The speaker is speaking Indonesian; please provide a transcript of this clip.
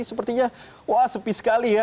sepertinya wah sepi sekali ya